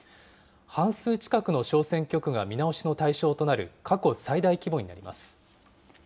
半数近くの小選挙区が見直しの対象となる過去最大規模になります。